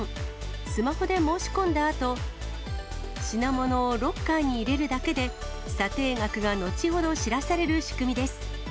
スマホで申し込んだあと、品物をロッカーに入れるだけで、査定額が後ほど知らされる仕組みです。